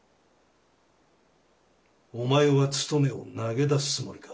お前は仕事を投げ出すつもりか？